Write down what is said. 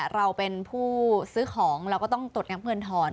เราเป็นผู้ซื้อของเราก็ต้องตรวจงับเงินทอน